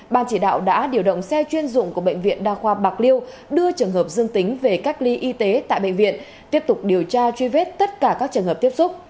ban chỉ đạo đã điều động xe chuyên dụng của bệnh viện đa khoa bạc liêu đưa trường hợp dương tính về cách ly y tế tại bệnh viện tiếp tục điều tra truy vết tất cả các trường hợp tiếp xúc